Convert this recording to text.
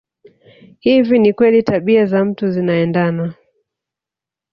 Hivi ni kweli tabia za mtu zinaendana